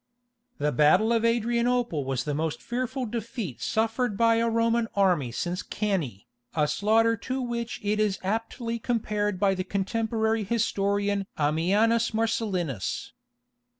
The battle of Adrianople was the most fearful defeat suffered by a Roman army since Cannæ, a slaughter to which it is aptly compared by the contemporary historian Ammianus Marcellinus.